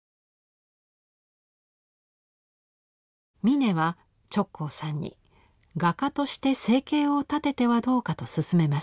峯は直行さんに画家として生計を立ててはどうかと勧めます。